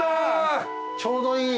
ちょうどいい。